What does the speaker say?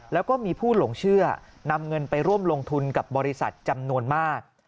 แล้วก็มีผู้หลงเชื่อนำเงินไปร่วมลงทุนกับบริษัทจำนวนมาก